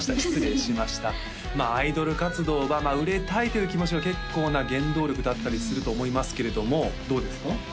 失礼しましたまあアイドル活動はまあ「売れたい」という気持ちが結構な原動力だったりすると思いますけれどもどうですか？